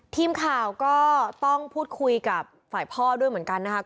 ทีมข่าวก็ต้องพูดคุยกับฝ่ายพ่อด้วยเหมือนกันนะคะ